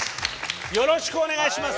よろしくお願いします。